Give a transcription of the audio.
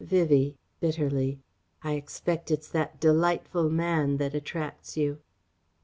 Vivie (bitterly): "I expect it's that 'delightful man' that attracts you."